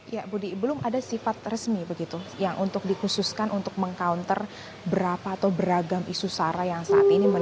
ya budi belum ada sifat resmi begitu yang untuk dikhususkan untuk meng counter berapa atau beragam isu sara yang saat ini